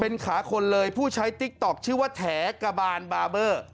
เป็นขาคนเลยผู้ใช้ติ๊กต๊อกชื่อว่าแถกะบานบาร์เบอร์